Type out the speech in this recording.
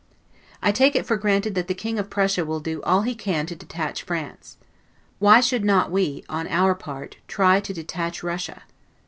I take it for granted that the King of Prussia will do all he can to detach France. Why should not we, on our part, try to detach Russia?